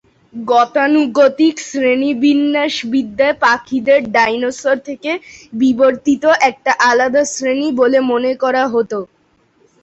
গতানুগতিক শ্রেণীবিন্যাসবিদ্যায় পাখিদের ডাইনোসর থেকে বিবর্তিত একটা আলাদা শ্রেণী বলে মনে করা হত।